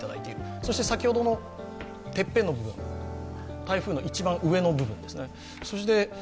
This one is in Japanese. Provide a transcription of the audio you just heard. そして先ほどのてっぺんの部分台風の一番上の部分ですね。